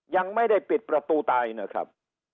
ยังไม่ได้ปิดประตูตายนะครับ